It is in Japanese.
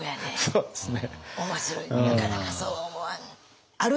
そうですよね。